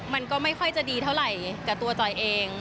มันก็ไม่ค่อยจะดีเท่าไหร่กับตัวจอยเอง